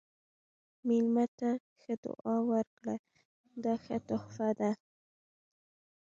مېلمه ته ښه دعا ورکړه، دا ښه تحفه ده.